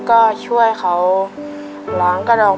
ก็ช่วยเขาล้างกระดอก